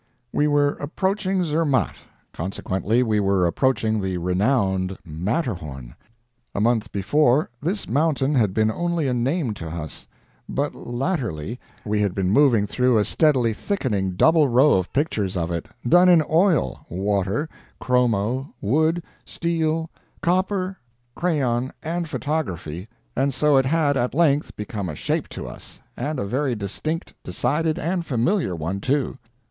We were approaching Zermatt; consequently, we were approaching the renowned Matterhorn. A month before, this mountain had been only a name to us, but latterly we had been moving through a steadily thickening double row of pictures of it, done in oil, water, chromo, wood, steel, copper, crayon, and photography, and so it had at length become a shape to us and a very distinct, decided, and familiar one, too.